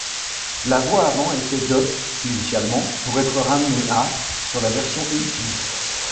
La voie avant était de initialement pour être ramenée à sur la version ultime.